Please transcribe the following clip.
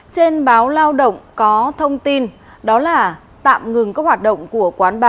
trên báo lao động có thông tin đó là tạm ngừng các hoạt động của quán bar